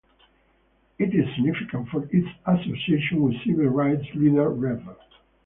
It is significant for its association with civil rights leader Rev.